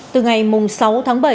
từ ngày sáu tháng bảy